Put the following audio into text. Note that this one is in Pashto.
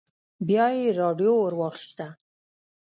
بيا يې راډيو ور واخيسته.